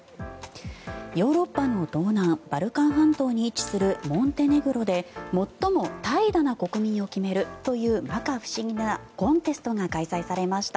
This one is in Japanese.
ヨーロッパの東南バルカン半島に位置するモンテネグロで最も怠惰な国民を決めるという摩訶不思議なコンテストが開催されました。